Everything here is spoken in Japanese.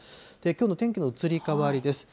きょうの天気を移り変わりです。